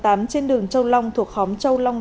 trên đường châu long thuộc khóm châu long sáu